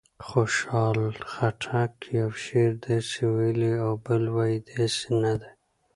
خوشحال خټک یو شعر داسې ویلی او بل وایي داسې نه دی.